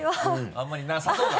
あんまりなさそうだな。